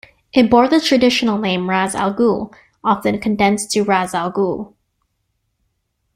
It bore the traditional name "Ras Alhague", often condensed to "Rasalhague".